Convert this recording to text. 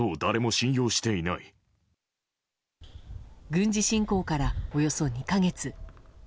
軍事侵攻からおよそ２か月。